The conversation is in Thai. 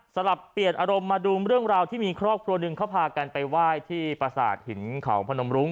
สลับเปลี่ยนอารมณ์มาดูเรื่องราวที่มีครอบครัวหนึ่งเขาพากันไปไหว้ที่ประสาทหินเขาพนมรุ้ง